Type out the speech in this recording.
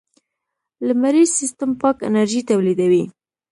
لمریز سیستم پاک انرژي تولیدوي.